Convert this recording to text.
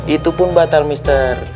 itu pun batal mister